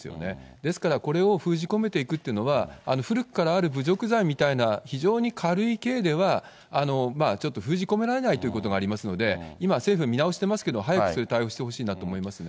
ですから、これを封じ込めていくっていうのは、古くからある侮辱罪みたいな非常に軽い刑では、ちょっと封じ込められないということがありますので、今、政府見直してますけれども、早くそういった対応をしてほしいなと思いますね。